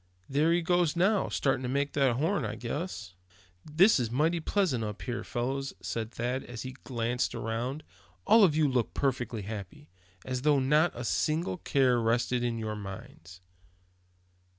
There he goes now, starting to make the horn, I guess." "This is mighty pleasant up here, fellows," said Thad, as he glanced around; "all of you look perfectly happy, as though not a single care rested on your minds."